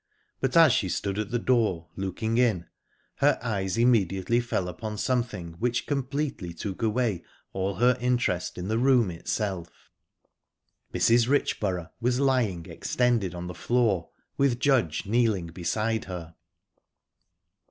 But as she stood at the door, looking in, her eyes immediately fell upon something which completely took away all her interest in the room itself. Mrs. Richborough was lying extended on the floor, with Judge kneeling beside her!